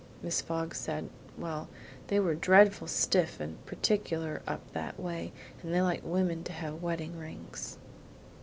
Mrs. Fogg said, well, they were dreadful stiff and particular up that way and they liked women to have wedding rings."